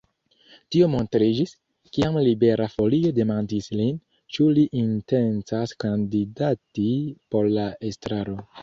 Tio montriĝis, kiam Libera Folio demandis lin, ĉu li intencas kandidati por la estraro.